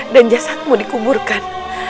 dan jasadmu dikuburkan